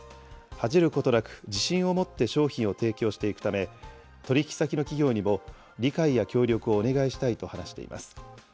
恥じることなく自信を持って商品を提供していくため、取引先の企業にも理解や協力をお願いしたいと話しています。